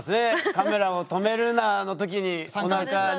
「カメラを止めるな！」の時におなかにいた子ですよね。